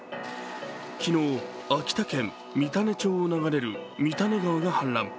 昨日、秋田県三種町を流れる三種川が氾濫。